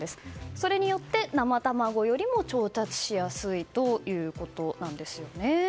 それによって、生卵よりも調達しやすいということなんですね。